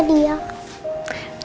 nindik pasti seneng banget